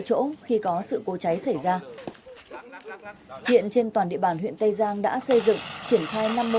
chỗ khi có sự cố cháy xảy ra hiện trên toàn địa bàn huyện tây giang đã xây dựng triển khai